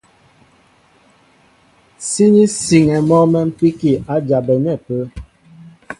Síní siŋɛ mɔ́ mɛ̌mpíki a jabɛnɛ́ ápə́.